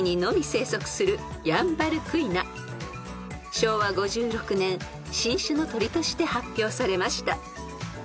［昭和５６年新種の鳥として発表されました］